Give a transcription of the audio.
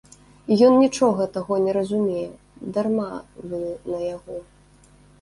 І ён нічога таго не разумее, дарма вы на яго.